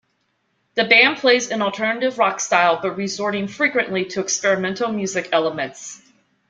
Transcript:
The band plays in alternative rock style, but resorting frequently to experimental music elements.